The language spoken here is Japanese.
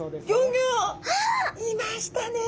いましたね！